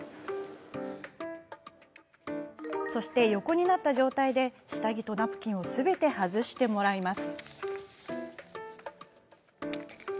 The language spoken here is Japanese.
そして横になった状態で下着とナプキンをすべて外してもらいます。